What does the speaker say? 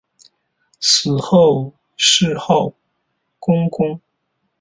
死后谥号恭公。